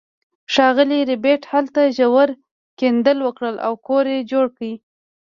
ښاغلي ربیټ هلته ژور کیندل وکړل او کور یې جوړ کړ